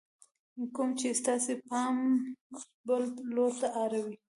کوم چې ستاسې پام بل لور ته اړوي :